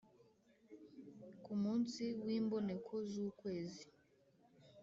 Ku munsi w imboneko z ukwezi